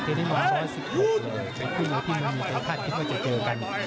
ทีนี้มัน๑๑๖ปอนด์เลยเป็นที่ไม่มีใครคาดคิดว่าจะเจอกัน